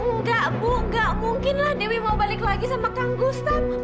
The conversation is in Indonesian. enggak bu gak mungkin lah dewi mau balik lagi sama kang gustaf